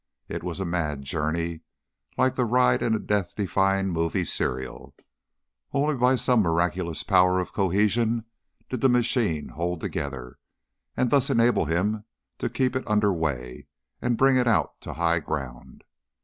It was a mad journey, like the ride in a death defying movie serial; only by some miraculous power of cohesion did the machine hold together and thus enable him to keep it under way and bring it out to high ground.